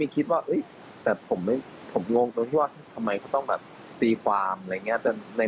ก็เรียนเออคำอะไรอย่างนี้